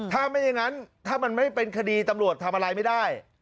ถ้าไม่อย่างนั้นถ้ามันไม่เป็นคดีตำรวจทำอะไรไม่ได้